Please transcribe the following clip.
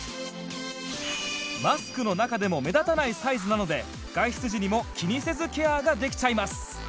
マスクの中でも目立たないサイズなので外出時にも気にせずケアができちゃいます